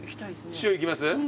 塩いきます？